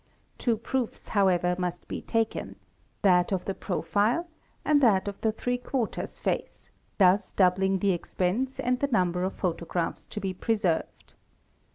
'T'wo proofs however must be taken ; that of the profile and that of the three quarters face, thus doubling the expense and the number of photographs to be preserved.